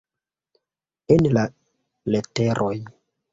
En la leteroj.